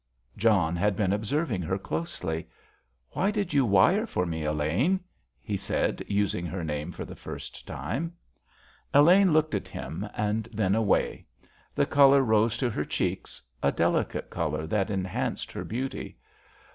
John had been observing her closely. "Why did you wire for me, Elaine?" he said, using her name for the first time. Elaine looked at him, and then away. The colour rose to her cheeks, a delicate colour that enhanced her beauty.